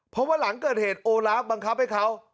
เพราะว่าหลังเกิดเหตุโอลาฟบังคับให้เขา